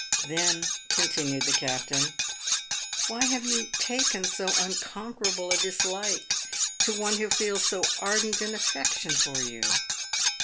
" Then," continued the captain, " why have you taken so unconquerable a dislike to one who feels so ardent an affection for you